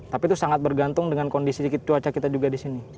tapi itu sangat bergantung dengan kondisi cuaca kita juga di sini